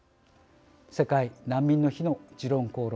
世界難民の日の「時論公論」